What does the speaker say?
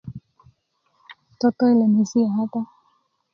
toto yi lemesiya kata